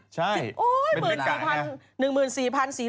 ใช่เป็นเมื่อไหร่นะ